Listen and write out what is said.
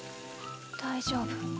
大丈夫。